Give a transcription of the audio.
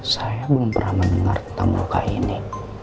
saya belum pernah mendengar tentang luka ini